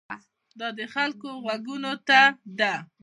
دا د خلکو غوږونو ته ده.